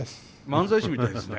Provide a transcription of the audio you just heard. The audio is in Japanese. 漫才師みたいですね。